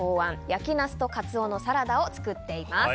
焼きナスとカツオのサラダを作っています。